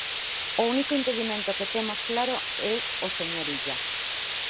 O único impedimento que temos claro é o señor Illa.